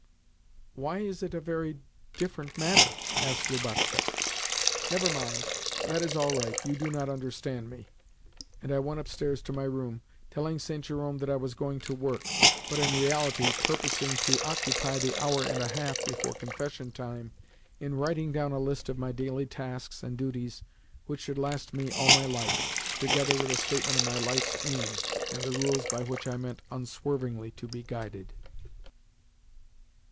"Why is it 'a very different matter'?" asked Lubotshka. "Never mind: that is all right; you do not understand me," and I went upstairs to my room, telling St. Jerome that I was going to work, but in reality purposing to occupy the hour and a half before confession time in writing down a list of my daily tasks and duties which should last me all my life, together with a statement of my life's aim, and the rules by which I meant unswervingly to be guided.